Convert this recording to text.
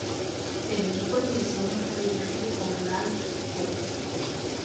El equipo de diseño fue dirigido por Ralph Hooper.